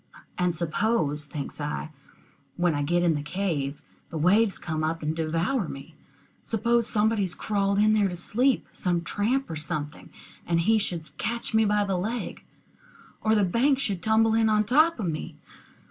And suppose, thinks I, when I get in the cave, the waves come up and devour me? Suppose somebody has crawled in there to sleep, some tramp or something, and he should catch me by the leg? Or the bank should tumble in on top of me?